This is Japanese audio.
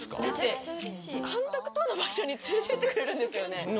だって監督との場所に連れてってくれるんですよね？